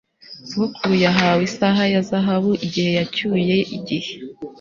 Sogokuru yahawe isaha ya zahabu igihe yacyuye igihe